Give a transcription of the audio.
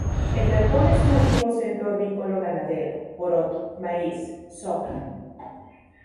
El Galpón es un activo centro agrícolo-ganadero: poroto, maíz, soja.